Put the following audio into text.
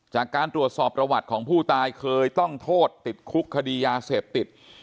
จากการตรวจสอบประวัติของผู้ตายเคยต้องโทษติดคุกคดียาเสพติด